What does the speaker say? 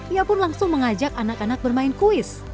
ia pun langsung mengajak anak anak bermain kuis